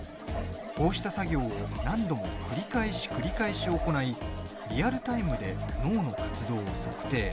こうした作業を何度も繰り返し、繰り返し行いリアルタイムで脳の活動を測定。